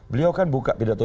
beliau kan buka pidatoin